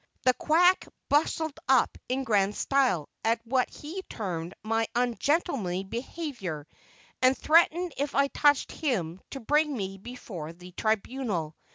The quack bristled up in grand style at what he termed my ungentlemanly behavior, and threatened if I touched him to bring me before the "Tribunal."